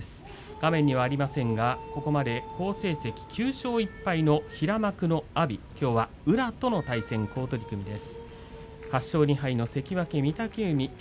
画面にはありませんが、ここまで好成績、９勝１敗の平幕の阿炎はきょうは宇良との取組です。